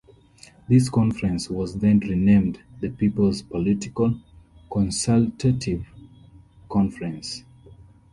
This conference was then renamed the People's Political Consultative Conference.